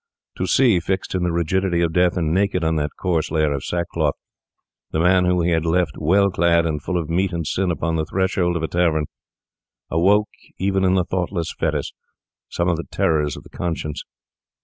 To see, fixed in the rigidity of death and naked on that coarse layer of sackcloth, the man whom he had left well clad and full of meat and sin upon the threshold of a tavern, awoke, even in the thoughtless Fettes, some of the terrors of the conscience.